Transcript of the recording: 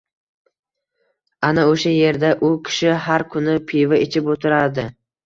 ana o’sha yerda u kishi xar kuni piva ichib o’tiradi.